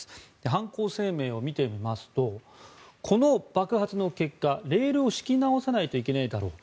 犯行声明を見てみますとこの爆発の結果レールを敷き直さないといけないだろう